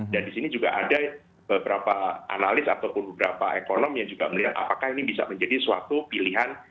dan di sini juga ada beberapa analis ataupun beberapa ekonomi yang juga melihat apakah ini bisa menjadi suatu pilihan